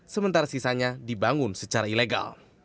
sementara sisanya dibangun secara ilegal